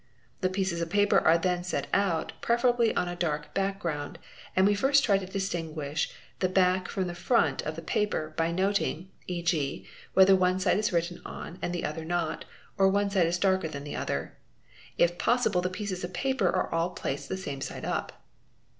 The pieces of paper are then set out, preferably on a dark back ground, and we first try to distinguish the back from the front of the paper, by noting, e.g., whether one side is written on and the other not, or one side is darker than the other. If possible, the pieces of paper are all placed the same side up.